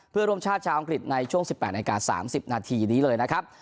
เพื่อร่วมชาติชาวอังกฤษในช่วง๑๘นาที๓๐นาทีนี้เลยนะครับ